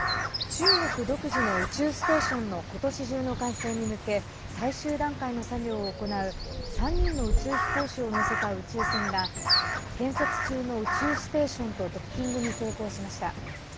中国独自の宇宙ステーションのことし中の完成に向け最終段階の作業を行う３人の宇宙飛行士を乗せた宇宙船が建設中の宇宙ステーションとドッキングに成功しました。